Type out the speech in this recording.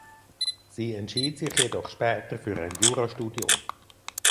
Sie entschied sich jedoch später für ein Jurastudium.